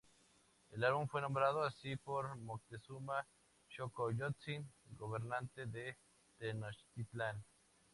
El álbum fue nombrado así por Moctezuma Xocoyotzin, gobernante de Tenochtitlan.